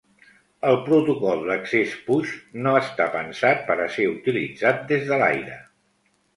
El Protocol d'Accés Push no està pensat per a ser utilitzat des de l'aire.